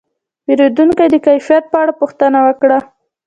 پیرودونکی د کیفیت په اړه پوښتنه وکړه.